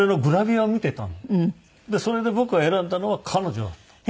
でそれで僕が選んだのは彼女だったの。